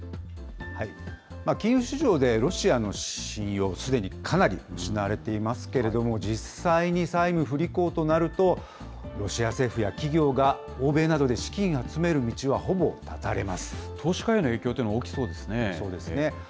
金融市場でロシアの信用、すでにかなり失われていますけれども、実際に債務不履行となると、ロシア政府や企業が欧米などで資投資家への影響というのは大そうですね。